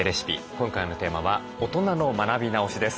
今回のテーマは「大人の学び直し」です。